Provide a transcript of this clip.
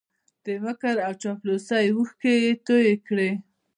د مکر او چاپلوسۍ اوښکې یې توی کړې